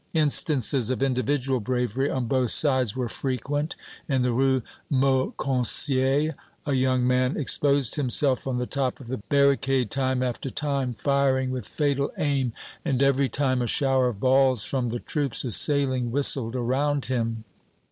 Instances of individual bravery on both sides were frequent. In the Rue Mauconseil, a young man exposed himself on the top of the barricade, time after time, firing with fatal aim, and every time a shower of balls from the troops assailing whistled around him.